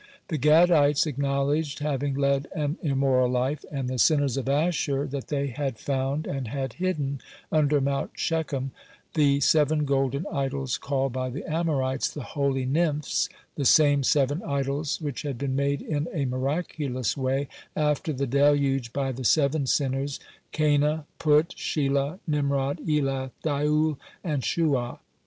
The Gadites acknowledged having led an immoral life, and the sinners of Asher, that they had found, and had hidden under Mount Shechem, the seven golden idols called by the Amorites the holy nymphs the same seven idols which had been made in a miraculous way after the deluge by the seven sinners, Canaan, Put, Shelah, Nimrod, Elath, Diul, and Shuah.